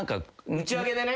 打ち上げでね。